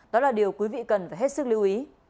đó là điều quý vị cần phải hết sức lưu ý